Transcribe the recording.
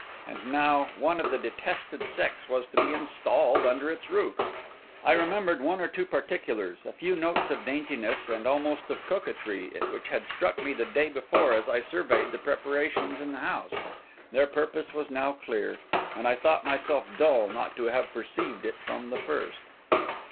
And now, one of the detested sex was to be installed under its roof. I remembered one or two particulars, a few notes of daintiness and almost of coquetry which had struck me the day before as I surveyed the preparations in the house; their purpose was now clear, and I thought myself dull not to have perceived it from the first.